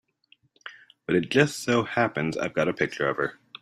But it just so happens I've got a picture of her.